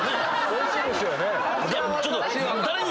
おいしいですよね